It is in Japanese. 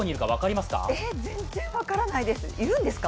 えっ、全然分からないです。